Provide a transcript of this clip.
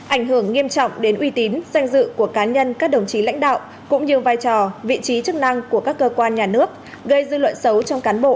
ảnh hưởng nghiêm trọng đến uy tín danh dự của cá nhân các đồng chí lãnh đạo cũng như vai trò vị trí chức năng của các cơ quan nhà nước gây dư luận xấu trong cán bộ